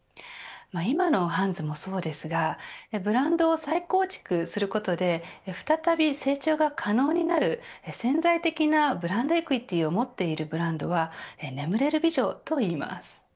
今のハンズもそうですがブランドを再構築することで再び成長が可能になる潜在的なブランドブランド・エクイティを持っているブランドは眠れる美女といいます。